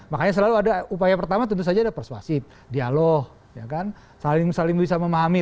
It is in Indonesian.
makanya selalu ada upaya pertama tentu saja ada persuasif dialog saling bisa memahami